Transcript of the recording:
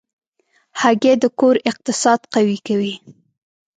هګۍ د کور اقتصاد قوي کوي.